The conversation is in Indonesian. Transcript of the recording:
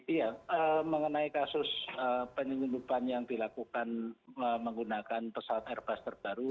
iya mengenai kasus penyelundupan yang dilakukan menggunakan pesawat airbus terbaru